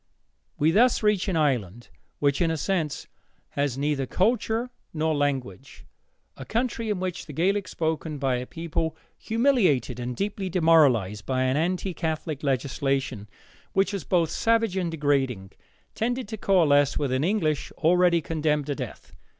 We thus reach an Ireland which, in a sense, has neither culture nor language, a country in which the Gaelic spoken by a people humiliated and deeply demoralized by an anti Catholic legislation, which was both savage and degrading, tended to coalesce with an English already condemned to death.